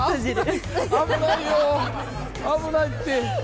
危ない危ないよ危ないって。